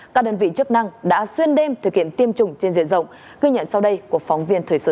các đơn vị chức năng đã xuyên đêm thực hiện tiêm chủng trên diện rộng ghi nhận sau đây của phóng viên thời sự